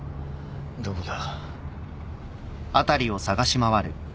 どこだ？